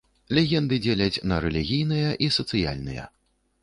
Легенды дзеляць на рэлігійныя і сацыяльныя.